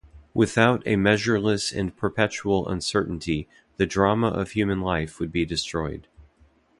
Without a measureless and perpetual uncertainty, the drama of human life would be destroyed.